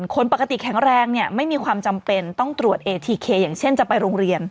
คนปกติแข็งแรงเนี่ยไม่มีความจำเป็นต้องตรวจเอทีเคอย่างเช่นจะไปโรงเรียน